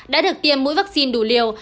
đã được tiêm mũi vaccine đủ liều